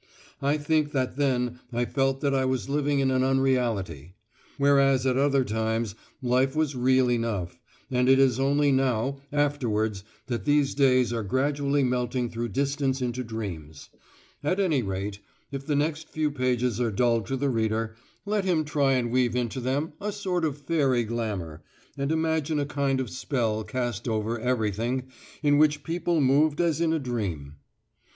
I think that then I felt that I was living in an unreality; whereas at other times life was real enough; and it is only now, afterwards, that these days are gradually melting through distance into dreams. At any rate, if the next few pages are dull to the reader, let him try and weave into them a sort of fairy glamour, and imagine a kind of spell cast over everything in which people moved as in a dream.